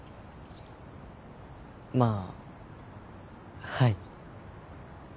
まあはい。